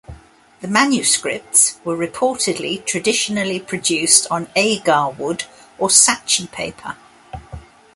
The manuscripts were reportedly traditionally produced on Agar wood or "sachi" paper.